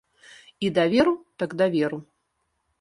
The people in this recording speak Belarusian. І даверу, так, даверу.